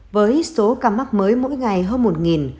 với số ca mắc mới mỗi ngày hơn một